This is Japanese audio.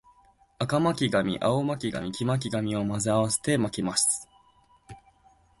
赤巻紙、青巻紙、黄巻紙を混ぜ合わせて巻きます